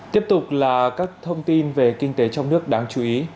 tiếp tục là các thông tin về kinh tế trong nước đáng chú ý